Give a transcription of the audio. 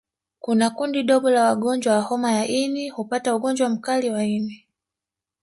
Kuna kundi dogo la wagonjwa wa homa ya ini hupata ugonjwa mkali wa ini